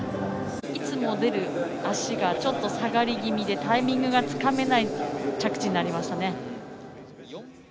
いつも出る足が下がり気味でタイミングがつかめない着地になりましたね。